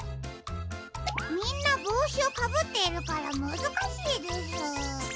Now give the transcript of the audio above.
みんなぼうしをかぶっているからむずかしいです。